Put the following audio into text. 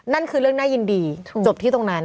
นั่นคือเรื่องน่ายินดีจบที่ตรงนั้น